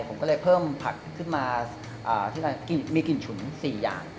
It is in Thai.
ผมก็เลยเพิ่มผักขึ้นมามีกลิ่นฉุน๔อย่าง